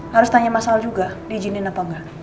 harus tanya mas al juga diijinin apa nggak